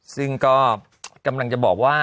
ซึ่งก็กำลังจะบอกว่า